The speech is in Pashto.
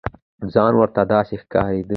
ځان ورته داسې ښکارېده.